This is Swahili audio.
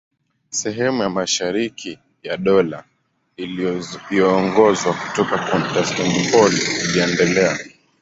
Sehemu ya mashariki ya Dola iliyoongozwa kutoka Konstantinopoli iliendelea.